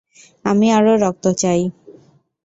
আমি আরো রক্ত চাই।